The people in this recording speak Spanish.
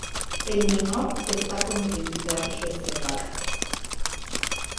El menor está con identidad reservada.